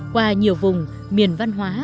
qua nhiều vùng miền văn hóa